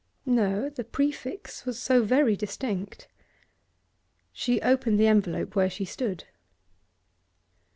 No, the prefix was so very distinct. She opened the envelope where she stood.